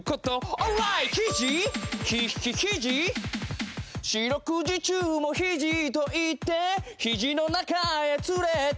「ひじひっひひじ」「四六時中もひじと言って」「ひじの中へ連れて」